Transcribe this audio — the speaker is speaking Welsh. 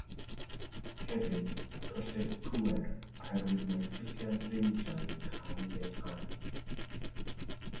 Hefyd, colled pŵer oherwydd mae ffrithiant yr injan yn cael ei leihau.